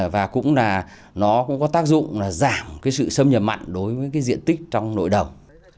và cũng là nó cũng có tác dụng là giảm cái sự xâm nhập mặn đối với cái diện tích trong nội đồng